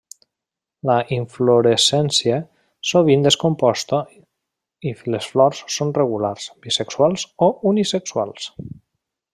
La inflorescència sovint és composta i les flors són regulars, bisexuals o unisexuals.